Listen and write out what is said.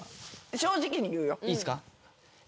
正直に言うよ。